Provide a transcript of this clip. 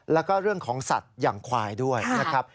แล้วก็เรื่องของสัตว์อย่างควายด้วยนะครับ